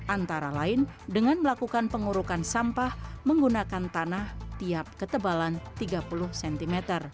antara lain dengan melakukan pengurukan sampah menggunakan tanah tiap ketebalan tiga puluh cm